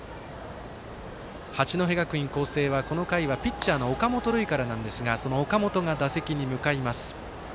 八戸学院光星はこの回はピッチャーの岡本琉奨からなんですがその岡本が打席に向かいます。